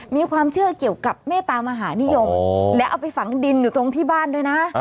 มีความเชื่อเกี่ยวกับเมตามหานิยมและเอาไปฝังดินอยู่ตรงที่บ้านด้วยนะ